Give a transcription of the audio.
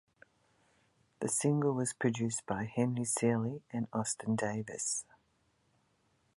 The single was produced by Henry Seeley and Austin Davis.